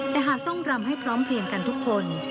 แต่หากต้องรำให้พร้อมเพลียงกันทุกคน